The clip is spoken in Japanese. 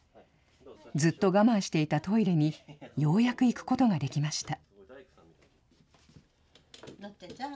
ずっと我慢していたトイレにようやく行くことができました。